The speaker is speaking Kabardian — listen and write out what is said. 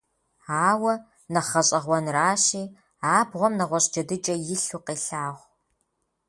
Ауэ, нэхъ гъэщӀэгъуэныращи, абгъуэм нэгъуэщӀ джэдыкӀэ илъу къелъагъу.